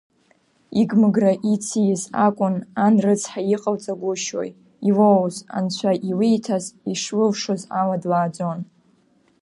Игмыгра ицииз акәын, ан рыцҳа иҟалҵагәышьои, илоуз, Анцәа илиҭаз, ишлылшоз ала длааӡон.